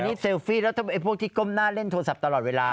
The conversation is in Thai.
นี่เซลฟี่แล้วทำไมพวกที่ก้มหน้าเล่นโทรศัพท์ตลอดเวลา